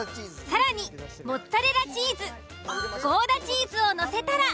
更にモッツァレラチーズゴーダチーズをのせたら。